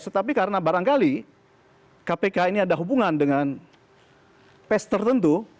tetapi karena barangkali kpk ini ada hubungan dengan pes tertentu